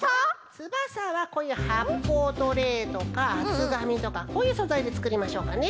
つばさはこういうはっぽうトレーとかあつがみとかこういうそざいでつくりましょうかね。